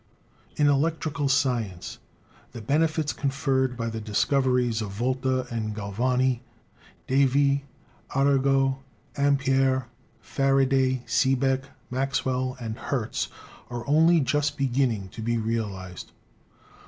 In electrical sci ence the benefits conferred by the discoveries of Volta and Galvani, Davy, Arago, Ampere, Faraday, Seebeck, Maxwell and Hertz are only just beginning to be realized.